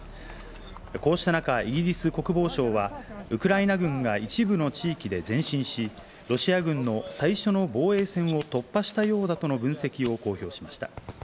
こうした中、イギリス国防省はウクライナ軍が一部の地域で前進し、ロシア軍の最初の防衛線を突破したようだとの分析を公表しました。